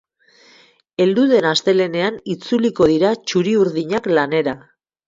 Heldu den astelehenean itzuliko dira txuri-urdinak lanera.